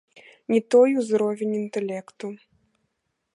Не той узровень інтэлекту.